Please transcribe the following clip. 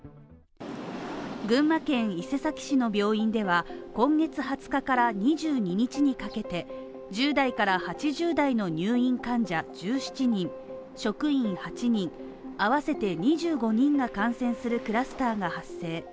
群馬県伊勢崎市の病院では今月２０日から２２日にかけて１０代から８０代の入院患者１７人職員８人合わせて２５人が感染するクラスターが発生。